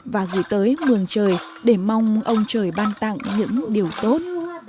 và gửi tới mường trời để mong ông trời ban tặng những điều tốt